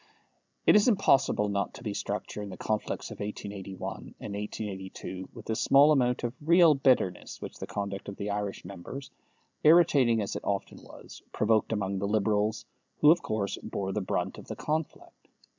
It was impossible not to be struck during the conflicts of 1881 and 1882 with the small amount of real bitterness which the conduct of the Irish members, irritating as it often was, provoked among the Liberals, who of course bore the brunt of the conflict.